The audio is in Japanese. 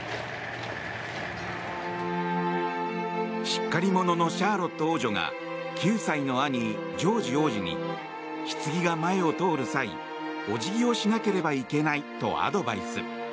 しっかり者のシャーロット王女が９歳の兄ジョージ王子にひつぎが前を通る際お辞儀をしなければいけないとアドバイス。